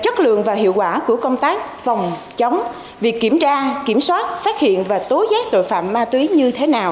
chất lượng và hiệu quả của công tác phòng chống việc kiểm tra kiểm soát phát hiện và tối giác tội phạm ma túy như thế nào